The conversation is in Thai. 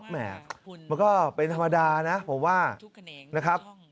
แม่มันก็เป็นธรรมดานะผมว่านะครับ